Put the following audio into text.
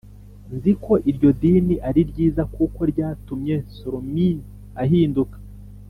Nzi ko iryo dini ari ryiza kuko ryatumye sormin ahinduka